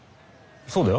そうだよ。